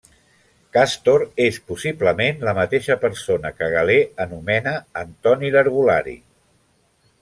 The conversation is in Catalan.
Càstor és possiblement la mateixa persona que Galè anomena Antoni l'herbolari.